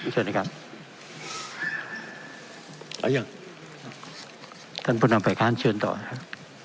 เชิญนะครับแล้วยังท่านประธานเชิญต่อนะครับ